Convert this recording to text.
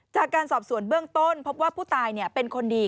จากการสอบสวนเบื้องต้นพบว่าผู้ตายเป็นคนดี